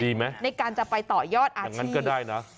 ไหมในการจะไปต่อยอดอย่างนั้นก็ได้นะ